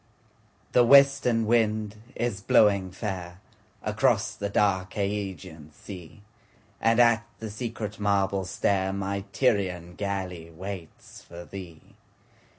THE WESTERN wind is blowing fairAcross the dark Ægean sea, And at the secret marble stairMy Tyrian galley waits for thee.